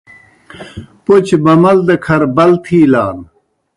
پوْچہ بَمَل دہ کھر بل تِھیلان۔